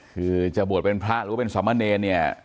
คือจะบวชเป็นพระหรือเป็นสามเณรเนี่ย